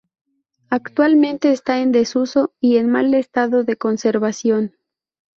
Actualmente está en desuso y en mal estado de conservación.